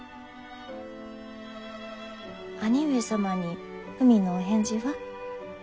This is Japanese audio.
兄上様に文のお返事は？